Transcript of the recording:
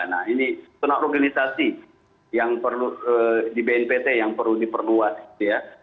nah ini zona organisasi yang perlu di bnpt yang perlu diperluas gitu ya